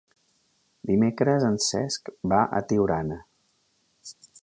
Dimecres en Cesc va a Tiurana.